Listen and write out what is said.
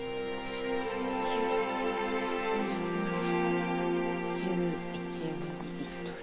醤油１１ミリリットル。